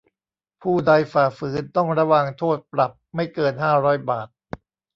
ผู้ใดฝ่าฝืน ต้องระวางโทษปรับไม่เกินห้าร้อยบาท